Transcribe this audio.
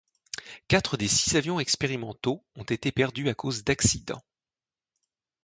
Quatre des six avions expérimentaux ont été perdus à cause d'accidents.